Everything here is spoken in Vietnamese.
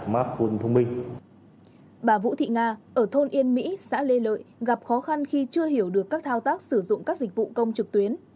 bà vũ thị nga ở thôn yên mỹ xã lê lợi gặp khó khăn khi chưa hiểu được các thao tác sử dụng các dịch vụ công trực tuyến